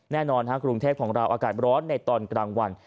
แน่นอนกรุงเทพของเราอากาศร้อนในตอนกลางวัน